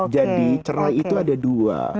jadi cerai itu ada dua